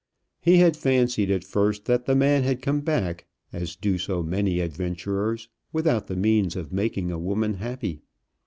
He had fancied at first that the man had come back, as do so many adventurers, without the means of making a woman happy.